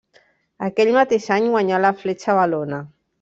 Aquell mateix any guanyà la Fletxa Valona.